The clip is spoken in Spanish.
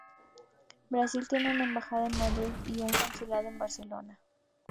Brasil tiene una embajada en Madrid y un consulado en Barcelona.